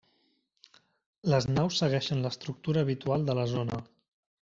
Les naus segueixen l'estructura habitual de la zona.